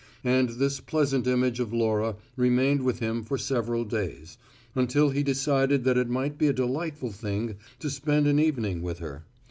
And this pleasant image of Laura remained with him for several days, until he decided that it might be a delightful thing to spend an evening with her.